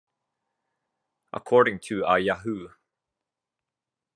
According to a Yahoo!